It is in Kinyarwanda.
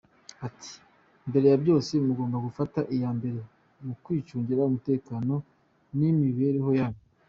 Ati "Mbere ya byose, mugomba gufata iya mbere mu kwicungira umutekano n’imibereho yanyu.